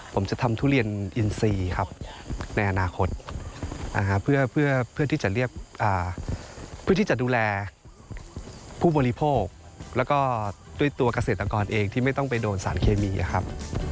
ผมจะทำทุเรียนอินซีครับในอนาคตเพื่อที่จะเรียกเพื่อที่จะดูแลผู้บริโภคแล้วก็ด้วยตัวเกษตรกรเองที่ไม่ต้องไปโดนสารเคมีครับ